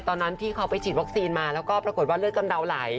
ตอนนั้นที่เขาไปฉีดวัคซีนมาแล้วก็ปรากฏว่าเลือดกำเดาไหล